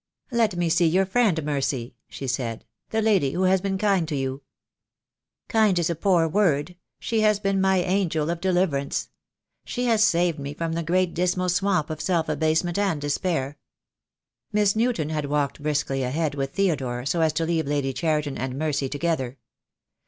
"Let me see your friend, Mercy," she said, "the lady who has been kind to you." "Kind is a poor word. She has been my angel of deliverance. She has saved me from the great dismal swamp of self abasement and despair." Miss Newton had walked briskly ahead with Theodore, so as to leave Lady Cheriton and Mercy together.